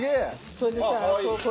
それでさ